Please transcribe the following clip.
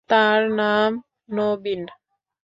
তার নাম নবীন।